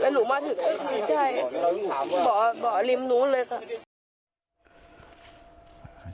หนูมาถึงบ่อริมหนูเลยค่ะ